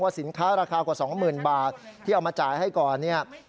ว่าสินค้าราคากว่า๒๐๐๐๐บาทที่เอามาจ่ายให้ก่อน